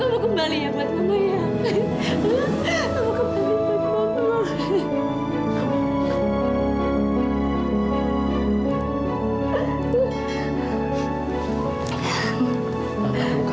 emang ada striving menuju ke dunia yang enak